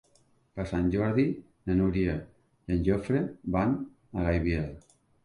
Per Sant Jordi na Núria i en Jofre van a Gaibiel.